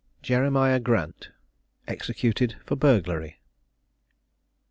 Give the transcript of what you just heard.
JEREMIAH GRANT EXECUTED FOR BURGLARY.